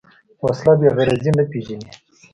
وسله بېغرضي نه پېژني